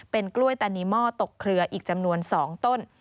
เป็นกล้วยตานีหม้อตกเครืออีกจำนวน๒ต้น